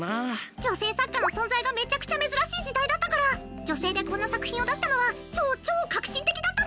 女性作家の存在がめちゃくちゃ珍しい時代だったから女性でこんな作品を出したのは超超革新的だったの。